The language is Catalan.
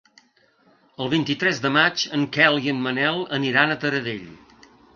El vint-i-tres de maig en Quel i en Manel aniran a Taradell.